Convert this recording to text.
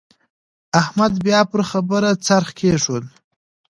احمد بيا پر خبره څرخ کېښود.